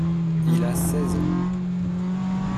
Il a seize ans.